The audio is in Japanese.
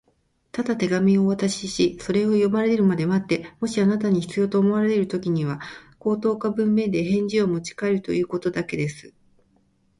「ただ手紙をお渡しし、それを読まれるまで待って、もしあなたに必要と思われるときには、口頭か文面で返事をもちかえるということだけです」